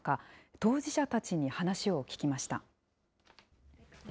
当事者たちに話を聞きました。